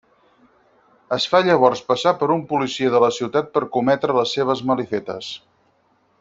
Es fa llavors passar per un policia de la ciutat per cometre les seves malifetes.